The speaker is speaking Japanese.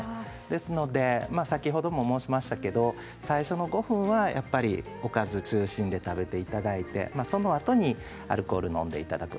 ですので先ほども申しましたけど最初の５分はやはりおかずを中心に食べていただいてそのあとにアルコールを飲んでいただく。